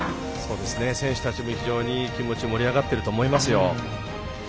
選手たちも非常に気持ち盛り上がってると思います。